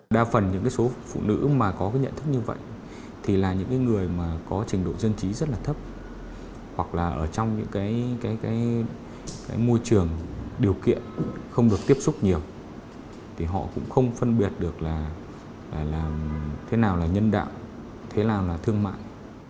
đa phần những số phụ nữ mà có cái nhận thức như vậy thì là những người mà có trình độ dân trí rất là thấp hoặc là ở trong những cái môi trường điều kiện không được tiếp xúc nhiều thì họ cũng không phân biệt được là thế nào là nhân đạo thế nào là thương mại